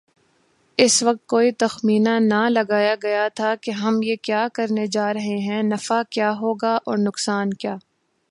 اس وقت کوئی تخمینہ نہ لگایاگیاتھا کہ ہم یہ کیا کرنے جارہے ہیں‘ نفع کیا ہوگا اورنقصان کیا۔